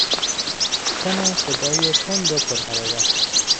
تن صدای تند و پرحرارت